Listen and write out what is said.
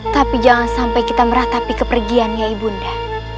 tapi jangan sampai kita meratapi kepergiannya ibu nda